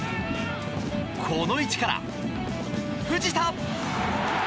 この位置から藤田！